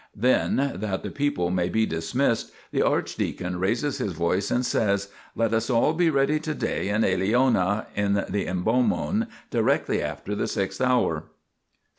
Then, that the people may be dismissed, the archdeacon raises his voice, and says :" Let us all be ready to day in Eleona, in the Imbomon, directly after the sixth hour."